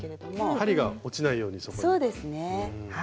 針が落ちないようにそこには。